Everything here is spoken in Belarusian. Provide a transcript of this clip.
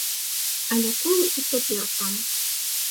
Але колы і цяпер там.